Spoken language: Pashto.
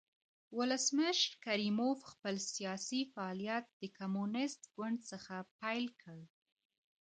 ولسمشر کریموف خپل سیاسي فعالیت د کمونېست ګوند څخه پیل کړ.